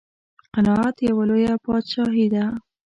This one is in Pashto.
قناعت یوه لویه بادشاهي ده.